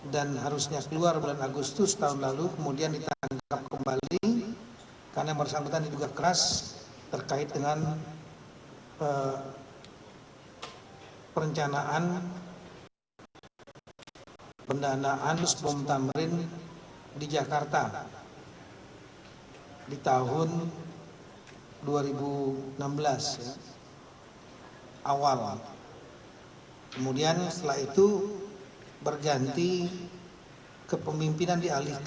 dan harusnya keluar bulan agustus tahun lalu kemudian ditangkap kembali